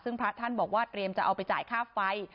ซึ่งพระท่านบอกว่าเตรียมจะเอาไปจ่ายค่าไฟ